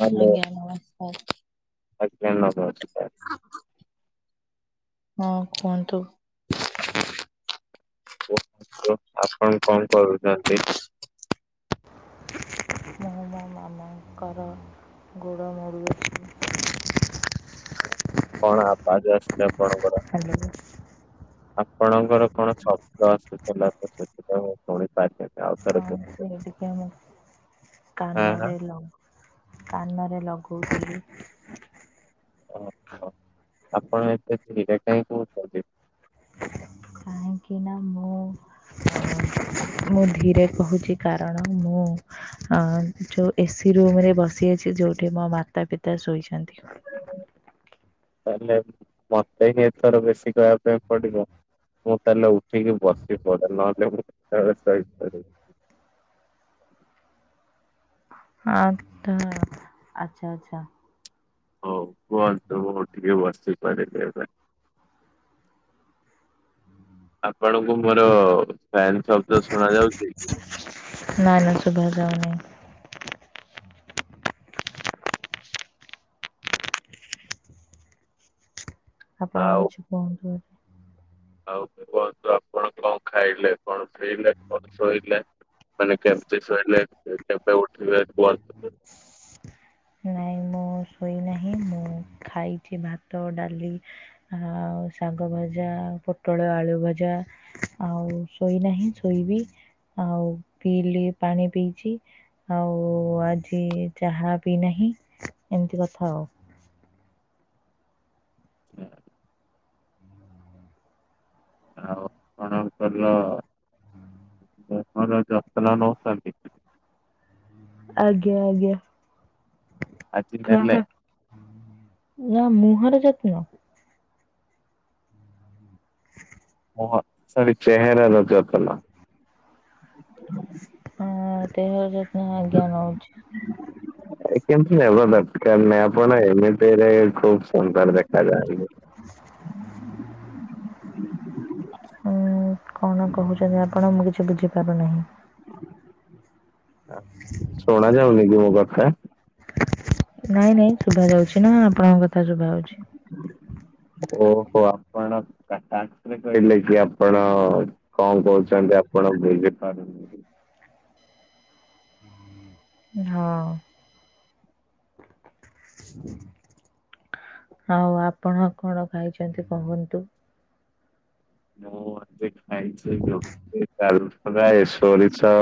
Hello ଆଜ୍ଞା ନମସ୍କାର। ଆଜ୍ଞା ନମସ୍କାର। ହଁ କୁହନ୍ତୁ। [unintelligible] ଆପଣ କଣ କରୁଛନ୍ତି? ମୁଁ ମୋ ମାମାଙ୍କର ଗୋଡ଼ ମୋଡ଼ୁଅଛି। କଣ ଆବାଜ ଆସୁଚି ଆପଣଙ୍କ ହାଲୋ। ଆପଣଙ୍କର କଣ ଶବ୍ଦ ଆସୁଥିଲା ତ, ସେଥିପାଇଁ ମୁଁ ଶୁଣିପାରିଲିନି ଆଉଥରେ କୁହନ୍ତୁ। ହଁ ସେ ଟିକେ ମୁଁ ହଁ ହଁ କାନରେ ଲଗ କାନରେ ଲଗଉଥିଲି। ଓହୋ ଆପଣ ଏତେ ଧିରେ କାହିଁ କହୁଛନ୍ତିି? କାହିଁକିନା ମୁଁ, ମୁଁ ଧୀରେ କହୁଛି କାରଣ ମୁଁ ଅ ଯୋଉ ଏସି ରୁମ୍ ରେ ବସିଅଛି, ଯୋଉଠି ମୋ ମାତା ପିତା ଶୋଇଛନ୍ତି। ତାହେଲେ ମତେ ହିଁ ଏଥର ବେଶୀ କହିଆ ପାଇଁ ପଡିବ। ମୁଁ ତାହେଲେ ଉଠିକି ବସି ପଡେ, ନହେଲେ ମୁଁ କେତେବେଳେ ଶୋଇପଡ଼ିବି। ହଁ ତ ଆଚ୍ଛା ଆଚ୍ଛା। ହଉ କୁହନ୍ତୁ ମୁଁ ଉଠିକି ବସି ପଡିଲି ଏବେ। ଆପଣଙ୍କୁ ମୋର ଫ୍ୟାନ୍ ଶବ୍ଦ ଶୁଣାଯାଉଛି? ନାଁ - ନାଁ ଶୁଭାଯାଉନି। ଆପଣ ଆଉ କିଛି କୁହନ୍ତୁ। [unintelligible] ଆଉ କୁହନ୍ତୁ ଆପଣ କଣ ଖାଇଲେ, କଣ ପିଇଲେ, କଣ ଶୋଇଲେ। ମାନେ କେମିତି ଶୋଇଲେ, କେବେ ଉଠିଲେ କୁହନ୍ତୁ? ହ ନାଇଁ ମୁଁ ଶୋଇନାହିଁ। ମୁଁ ଖାଇଛି ଭାତ, ଡାଲି ଆଉ ଶାଗ ଭଜା, ପୋଟଳ ଆଳୁ ଭଜା ଆଉ ଶୋଇନାହିଁ, ଶୋଇବି। ଆଉ ପିଇଲି ପାଣି ପିଇଛି, ଆଉ ଆଜି ଚାହା ପିଇନାହିଁ, ଏମତି କଥା ଆଉ। ଆଉ କଣ କରିଲ ଦେହର ଯତ୍ନ ନଉଛନ୍ତି? ଆଜ୍ଞା ଆଜ୍ଞା। ଆଜି ଉଁ ନେଲେ ହୁଁ। ନା ମୁହଁର ଯତ୍ନ? ମୁହଁ ସରି ଚେହେରା ଦରକାର ଥିଲା। ହଁ ଦେହ ଯତ୍ନ ଆଜ୍ଞା ନଉଛି। କେମିତି ନବା ଦରକାର ନାହିଁ, ଆପଣ ଏମିତିରେ ଖୁବ ସୁନ୍ଦର ଦେଖାଯାଆନ୍ତି। ହୁଁ କଣ କହୁଛନ୍ତି ଆପ ଆପଣ, ମୁଁ କିଛି ବୁଝିପାରୁନାହିଁ। ଆ ଶୁଣା ଯାଉନି କି ମୋ କଥା? ନାଇଁ ନାଇଁ ଶୁଭାଯାଉଛି ନା, ଆପଣଙ୍କ କଥା ଶୁଭାଯାଉଛି। ଓହୋ। ଆପଣ କାହା [unintelligible] କହିଲେ କି ଆପଣ କଣ କହୁଛନ୍ତି ଆପଣ ବୁଝିପାରୁ ହଁ। ଆଉ ଆପଣ କଣ ଖାଇଛନ୍ତି କୁହନ୍ତୁ? ମୁଁ ଏବେ ଖାଇଛି, ରୁଟି, ଡ଼ାଲି। ହ ଭାଇ ସୋରିଷ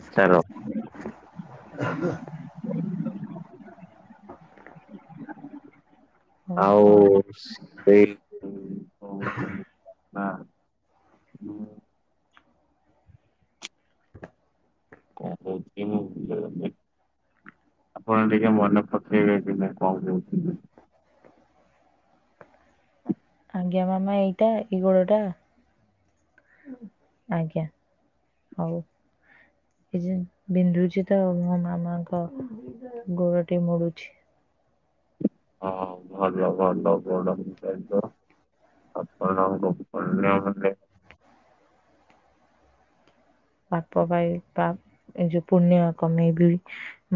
ଆଚାର। [unintelligible] ଆଉ ଓହୋ ସେଇ କହୁଥିଲି ନା ମୁଁ କଣ କହୁଥିଲି ମୁଁ ଭୁଲିଗଲି। ଆପଣ ଟିକେ ମନେ ପକେଇବେ କି ମୁଁ କଣ କହୁଥିଲି? ଆଜ୍ଞା ମାମା ଏଇଟା, ଏଇ ଗୋଡଟା? ଆଜ୍ଞା, ହଉ। ଏ ଯେନ ବିନ୍ଧୁଛି ତ ମୋ ମାମାଙ୍କ ଗୋଡ ଟିକେ ମୋଡୁଛି। ହଁ ଭଲ ଭଲ, ଗୋଡ଼ [unintelligible] [unintelligible] ଅନ୍ୟମାନେ ପାପ ବାଇ ପା ଏ ଯୋଉ ପୁଣ୍ୟ କମେଇବି।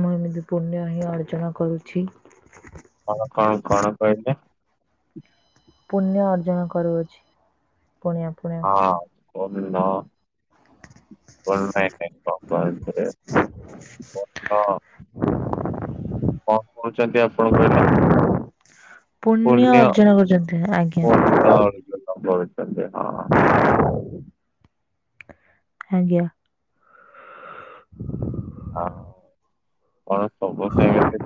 ମୁଁ ଏମିତି ପୁଣ୍ୟ ହିଁ ଅର୍ଜନ କରୁଛି। କଁ କଣ କଣ କହିଲେ? ପୁଣ୍ୟ ଅର୍ଜନ କରୁଅଛି। ପୁଣିଆ ପୁଣି ହଁ ପୁ ନ [unintelligible] ହ [unintelligible] କଣ କହୁଛନ୍ତି ଆପଣ କହିଲେ? ପୁଣ୍ୟ ହଉଛନ୍ତି, ଆଜ୍ଞା। ପୁଣ୍ୟ [unintelligible] ଆଜ୍ଞା। ଆଉ ହଁ। କଣ ସବୁ ସେମିତି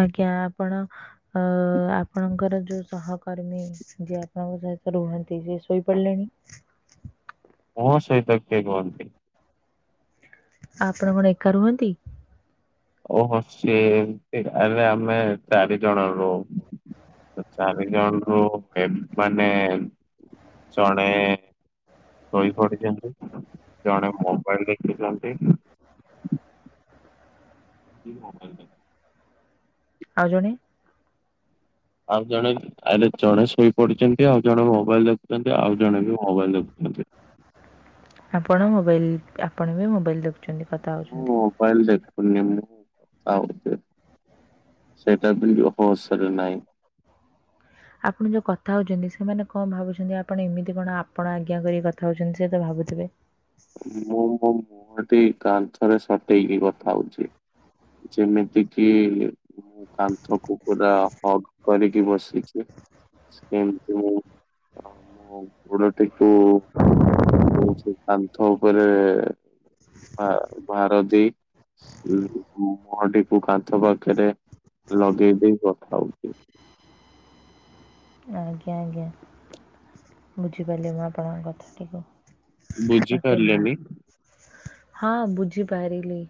ଆଜ୍ଞା। ଆପଣ ଅ ଆପଣଙ୍କର ଯୋଉ ସହକର୍ମୀ ଯିଏ ଆପଣଙ୍କ ସହିତ ରୁହନ୍ତି, ସିଏ ଶୋଇପଡିଲେଣି? କଣ ସହିତ କିଏ ରୁହନ୍ତି? ଆପଣ କଣ ଏକା ରୁହନ୍ତି? ଓହୋ, ସିଏ ଏ ଗାଁରେ ଆମେ ଚାରିଜଣ ରହୁ। ଚାରିଜଣରୁ ମାନେ ଜଣେ ଶୋଇପଡିଛନ୍ତି, ଜଣେ ମୋବାଇଲ ଦେଖୁଛନ୍ତି ମୋବାଇଲ୍ ଦେ। ଆଉ ଜଣ? ଆଉ ଜଣେବି ଆରେ ଜଣେ ଶୋଇପଡିଚନ୍ତି ଆଉ ଜଣେ ମୋବାଇଲ ଦେଖୁଚନ୍ତି ଆଉ ଜଣେ ବି ମୋବାଇଲ ଦେଖୁଚନ୍ତି। ଆପଣ ମୋବାଇଲ ଆପଣ ବି ମୋବାଇଲ ଦେଖୁଚନ୍ତି କଥା ମୁଁ ହେଉଚନ୍ତି। ମୋବାଇଲ ଦେଖୁନି ମୁଁ କଥା ହଉଚି। ସେଇଟା ବି ହୋସ ରେ ନାହିଁ। ଆପଣ ଯେଉ କଥା ହେଉଚନ୍ତି ସେମାନେ କଣ ଭାବୁଛନ୍ତି ଆପଣ ଏମିତି କଣ ଆପଣ ଆଜ୍ଞା କରିକି କଥା ହେଉଚନ୍ତି ସେ ତ ଭାବୁଥିବେ ମୁଁ ମୋ ମୁହଁଟି କାନ୍ଥରେ ସଟେଇକି କଥା ହଉଛି। ଯେମିତି କିି ମୁଁ କାନ୍ଥକୁ ପୁରା ହଗ କରିକି ବସିଚି। କିନ୍ତୁ ମୁ ଗୋଡଟିକୁ ହଉଚି କାନ୍ଥ ଉପରେ ଭା ଭାରଦେଇ ମୁହଁଟିକୁ କାନ୍ଥ ପାଖରେ ଲଗେଇ ଦେଇ କଥା ହଉଚି। ଆଜ୍ଞା ଆଜ୍ଞା ବୁଝିପାରିଲି ମୁଁ ଆପଣଙ୍କ କଥା ଟିକୁ। ବୁଝିପାରିଲେନି [unintelligible] ହଁ ବୁଝି ପାରିଲି।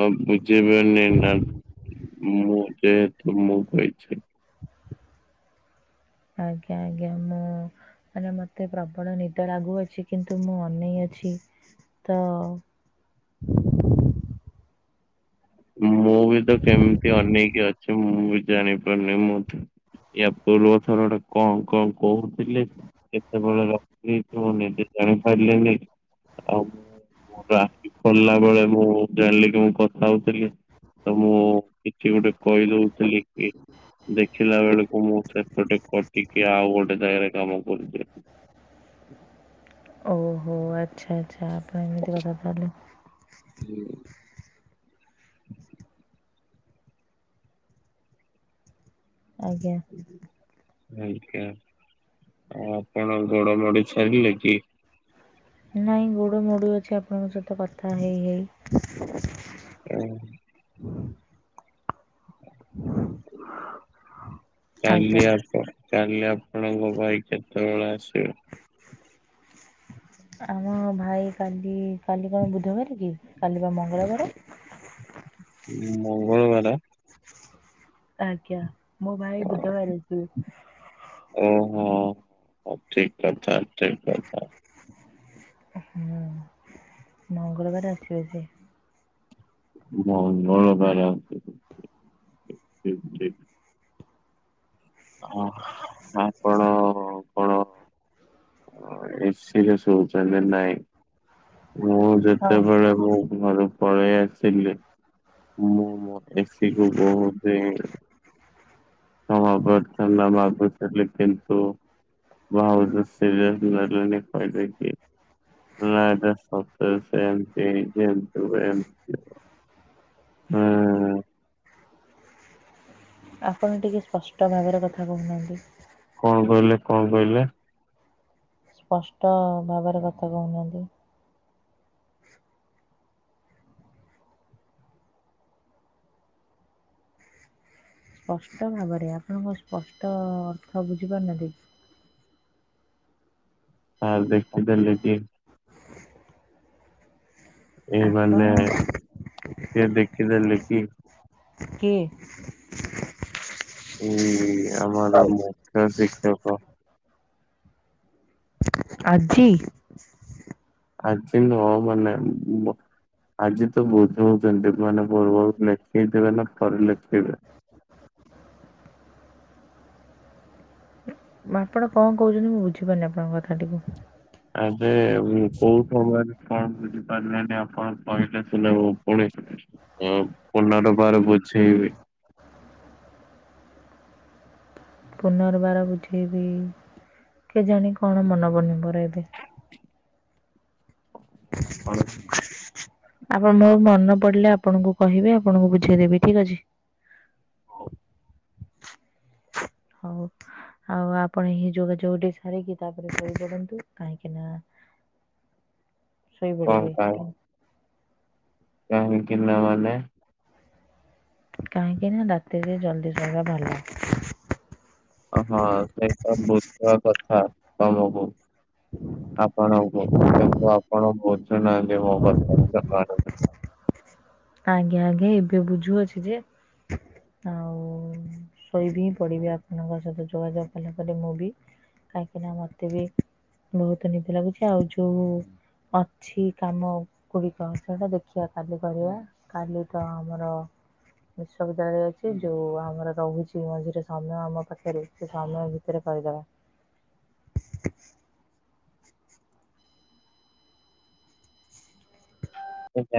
ଅଁ ମୁଝିବେନି ମ୍ୟାମ ମୁଁ ଯେହେତୁ ମୁଁ ପାଇଛି। ଆଜ୍ଞା ଆଜ୍ଞା ମୁଁ ମାନେ ମତେ ପ୍ରବଳ ନିଦ ଲାଗୁଅଛି କିନ୍ତୁ ମୁଁ ଅନେଇ ଅଛି ତ ମୁଁ ବି ତ କେମିତି ଅନେକି ଅଛି ମୁଁ ବି ଜାଣିପାରୁନି ମୁଁ ତ। ଇୟା ପୂର୍ବଥର ଟା କଣ କଣ କହୁଥିଲି? କେତେବେଳେ ରଖି ଦେଇଛି ମୁଁ ନିଜେ ଜାଣିପାରିଲିନି ଆଉ ମୁଁ ମୋର ଆଖି ଖୋଲିଲା ବେଳେ ମୁଁ ଜାଣିଲି କି ମୁଁ କଥା ହଉଛି। ତ ମୁଁ କିଛି ଗୋଟେ କହିଦଉଥିଲି କି? ଦେଖିଲା ବେଳକୁ ମୁଁ ସେପଟେ କଟିକି ଆଉ ଗୋଟେ ଜାଗାରେ କାମ କରୁଚି। ଓହୋ ଆଚ୍ଛା ଆଚ୍ଛା ଆପଣ ଏମିତି କଥା ତାହଲେ। ଆଜ୍ଞା। ଆଜ୍ଞା ଆଉ ଆପଣ ଗୋଡ ମୋଡି ଛାଡ଼ିଲେ କି? ନାଇଁ ଗୋଡ ମୋଡୁ ଅଛି ଆପଣଙ୍କ ସହିତ କଥା ହେଇ ହେଇ। [inaudible] ଆଜ୍ଞା କାଲି ଆପଣ କାଲି ଆପଣଙ୍କ ଭାଇ କେତେବେଳେ ଆସିବେ? ଆମ ଭା ଭାଇ କାଲି କାଲି କଣ ବୁଧବାର କି କାଲି ବା ମଙ୍ଗଳବାରେ। ମଙ୍ଗଳବାରେ। ଆଜ୍ଞା ମୋ ଭାଇ ବୁଧବାର ଆସିବେ। ଓହୋ ଠିକ କଥା ଠିକ କ ହୁଁ। ମଙ୍ଗଳବାର ଆସିବେ ସିଏ। ମଙ୍ଗଳ ବାରେ ଆସିବେ ଠିକ୍‌ ଠିକ୍। ହଁ କାଇଁ କଁ? ଏସି ରେ ଶଉଚ ନା ନାଇଁ। ମୁଁ ହଁ ଯେତେବେଳେ ମୋ ଘରୁ ପଳେଇ ଆସିଲି ମୁଁ ମୋ ଏସି କୁ ବହୁତି କ୍ଷମା ପ୍ରାର୍ଥନା ମାଗୁଥିଲି କିନ୍ତୁ ଭାଉଜ ସିରିଏସ ନେଲେନି କହିଦେଇ କି? ନା ଏଟା ସତରେ ସେମତି ଯେମତି ହୁଏ ଏମିତି ହବ। ହୁଁ। ଆପଣ ଟିକେ ସ୍ପଷ୍ଟ ଭାବରେ କଥା କହୁନାହାନ୍ତି। କଣ କହିଲେ କଣ କହିଲେ ସ୍ପଷ୍ଟ ଭାବରେ କଥା କହୁନାହାନ୍ତି। ସ୍ପଷ୍ଟ ଭାବରେ ଆପଣ କଣ ସ୍ପଷ୍ଟ ଅର୍ଥ ବୁଝିପାରୁନାହାନ୍ତି? ଆର ଦେଖି ଦେଲେ କି? ଏଇ ଆପଣ ମାନେ [unintelligible] ଦେଖିଦେଲେ କି? କିଏ? ଏଇ ଆମର ମୁଖ୍ୟ ଶିକ୍ଷକ। ଆଜି? ଆଜି ନୁହଁ ମାନେ ମ ଆଜି ତ ବୁଝଉଚନ୍ତି ମାନେ [unintelligible] ଲେଖେଇଦେବେ ନା ପରେ ଲେଖିବେ। ମାପଣ କଣ କହୁଛନ୍ତି ମୁଁ ବୁଝିପାରୁନି ଆପଣ କଥାଟିକୁ। [unintelligible] ଉଁ କୋଉ ସମୟରେ କଣ ବୁଝିପାରିଲେନି ଆପଣ କହିଲେ ସିନା ମୁଁ ପୁଣି ଥ ଅ ପୁନରବାର ବୁଝେଇବି। ପୁନର୍ବାର ବୁଝେଇବି କେଜାଣି କଣ ମନ ପଡୁନି ମୋର ଏବେ। [unintelligible] ଆପଣ ମୋ ମନ ପଡିଲେ ଆପଣଙ୍କୁ କହିବି ଆପଣଙ୍କୁ ବୁଝେଇ ଦେବି ଠିକ ଅଛି। ହଉ। ହଉ। ଆଉ ଆପଣ ଏହି ଯୋଗାଯୋଗଟି ସାରିକି ତାପରେ ଶୋଇପଡ଼ନ୍ତୁ କାହିଁକି ନା କଣ ଶୋଇପଡିବେ। ପାଇଁ କାହିଁକି ନା ମାନେ? କାହିଁକି ନା ରାତିରେ ଜଲ୍ଦି ଶୋଇବା ଭଲ। ଅ ହଁ ସେଇଟା ବୁଝ କଥା ତମକୁ। ଆପଣଙ୍କୁ କିନ୍ତୁ ଆପଣ ବୁଝୁ ନାହାନ୍ତି ମୋ କଥା ଜମାରୁବି। ଆଜ୍ଞା [unintelligible] ଏବେ ବୁଝୁଅଛି ଯେ ଆଉ ଶୋଇବି [unintelligible] ପଡ଼ିବି ଆପଣଙ୍କ ସହିତ ଯୋଗାଯୋଗ କଲା ପରେ ମୁଁ ବି କାହିଁକିନା ମତେ ବି ବହୁତ ନିଦ ଲାଗୁଛି ଆଉ ଯୋଉ ଅଛି କାମ କୁହିକ ସେଟା ଦେଖିଆ କାଲି କରିବା। କାଲି ତ ଆମର ବିଶ୍ବବିଦ୍ୟାଳୟରେ ଅଛି ଯୋଉ ଆମର ରହୁଛି ମଝିରେ ସମୟ ଆମ ପାଖରେ ସେ ସମୟ ଭିତରେ କରିଦେବା। ସେ [inaudible]